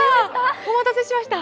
お待たせしました。